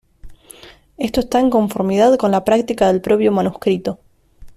Esto está en conformidad con la práctica del propio manuscrito.